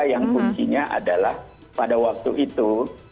yang kuncinya adalah pada waktu itu